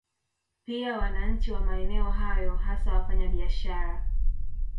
Pia wananchi wa maeneo hayo hasa wafanya biashara